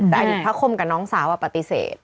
แต่อดีตพระคมกับน้องสาวปฏิเสธ